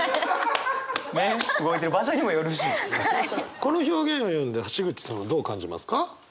この表現を読んだ橋口さんはどう感じますか？